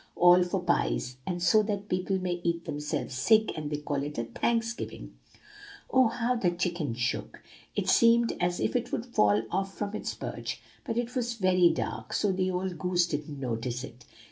All for pies, and so that people may eat themselves sick; and they call it a Thanksgiving!' "Oh, how the chicken shook! It seemed as if it would fall off from its perch; but it was very dark, so the old goose didn't notice it.